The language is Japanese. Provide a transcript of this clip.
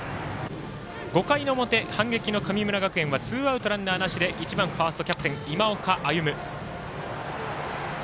５回の表、反撃の神村学園はツーアウト、ランナーなしで１番ファースト、キャプテン今岡歩夢。